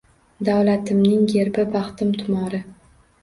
Davlatimning gerbi – baxtim tumori